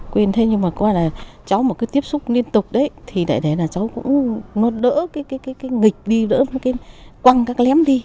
quên thế nhưng mà coi là cháu mà cứ tiếp xúc liên tục đấy thì lại thấy là cháu cũng nó đỡ cái nghịch đi đỡ với cái quăng các lém đi